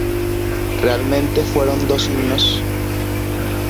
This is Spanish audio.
Realmente fueron dos himnos.